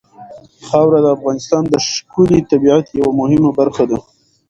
خاوره د افغانستان د ښکلي طبیعت یوه مهمه برخه ده.